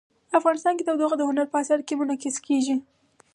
افغانستان کې تودوخه د هنر په اثار کې منعکس کېږي.